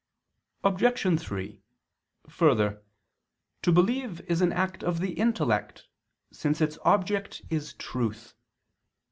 Obj. 3: Further, to believe is an act of the intellect, since its object is truth.